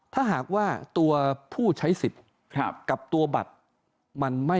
ถ้าหากว่าตัวผู้ใช้สิทธิ์กับตัวบัตรมันไม่